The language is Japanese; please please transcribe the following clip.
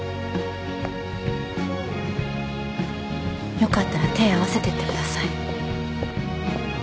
よかったら手合わせてってください。